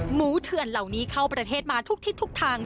เถื่อนเหล่านี้เข้าประเทศมาทุกทิศทุกทาง